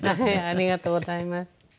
ありがとうございます。